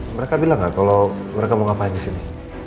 mereka bilang gak kalo mereka mau ngapain disini